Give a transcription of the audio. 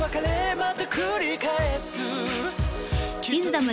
また繰り返す